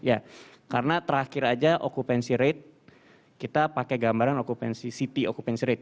ya karena terakhir aja okupansi rate kita pakai gambaran okupansi city okupansi rate